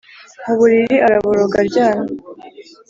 mu buriri araboroga aryamye,